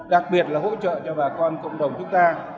đặc biệt là hỗ trợ cho bà con cộng đồng chúng ta